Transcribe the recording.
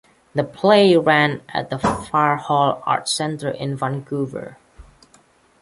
The play ran at the Firehall Arts Centre in Vancouver.